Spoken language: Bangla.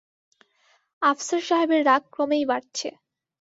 আফসার সাহেবের রাগ ক্রমেই বাড়ছে।